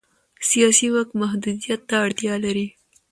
سیاسي واک محدودیت ته اړتیا لري